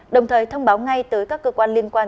đồng thời thông báo ngay tới các cơ quan liên quan